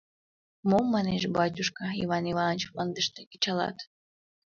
«Мом, манеш, батюшка, Иван Иваныч, мландыште кычалат?»